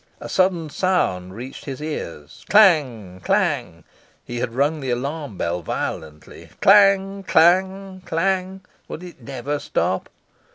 A sudden sound reached his ears clang! clang! He had rung the alarm bell violently. Clang! clang! clang! Would it never stop?